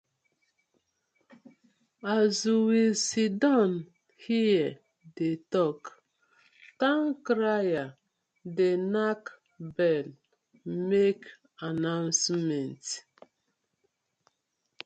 As we siddon here dey tok, towncrier dey nack bell mak annoucement.